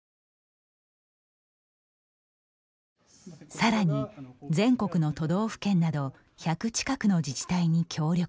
さらに、全国の都道府県など１００近くの自治体に協力を要請。